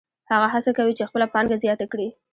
هغه هڅه کوي چې خپله پانګه زیاته کړي